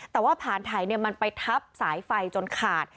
แต่ว่าผ่านไถมันไปทับสายไฟจนขาด